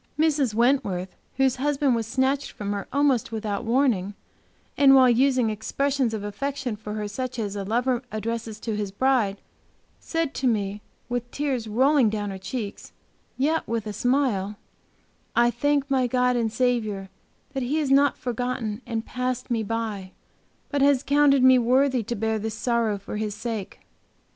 Mrs. Wentworth, whose husband was snatched from her almost without warning, and while using expressions of affection for her such as a lover addresses to his bride, said to me, with tears rolling down her cheeks, yet with a smile, 'I thank my God and Saviour that He has not forgotten and passed me by, but has counted me worthy to bear this sorrow for His sake.'